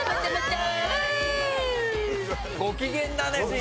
ご機嫌だね